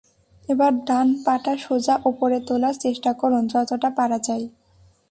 এবার ডান পা-টা সোজা ওপরে তোলার চেষ্টা করুন, যতটা পারা যায়।